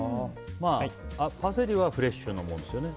パセリはフレッシュのものですよね。